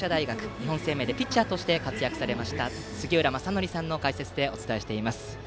日本生命でピッチャーとして活躍された杉浦正則さんの解説でお伝えしています。